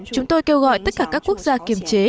chúng tôi kêu gọi tất cả các quốc gia kiềm chế